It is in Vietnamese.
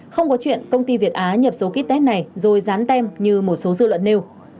không có chuyện công ty việt á nhập số ký test này rồi dán tem như một số dư luận nêu